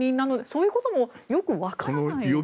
そういうこともよくわからないですよね。